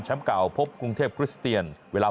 เก่าพบกรุงเทพคริสเตียนเวลา